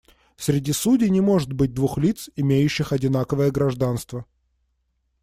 Среди судей не может быть двух лиц, имеющих одинаковое гражданство.